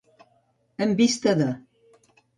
En vista de.